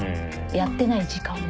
やってない時間も。